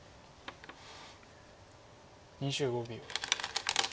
２５秒。